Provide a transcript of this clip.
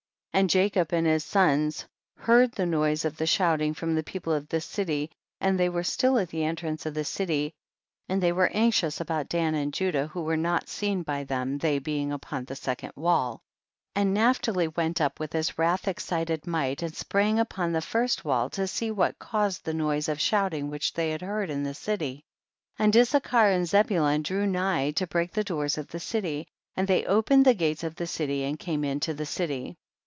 46. And Jacob and his sons heard the noise of the shouting from the people of the city, and they were still at the entrance of the city, and they were anxious about Dan and Ju dah who were not seen by them, they being upon the second wall. 47. And Naphtali went up with his wrath excited might and sprang upon the first wall to see what caus ed the noise of shouting which they had heard in the city, and Issachar and Zebulun drew nigh to break the doors of the city, and they opened the gates of the city and came into the city.